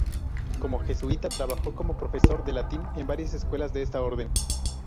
Como jesuita trabajó como profesor de latín en varias escuelas de esta orden.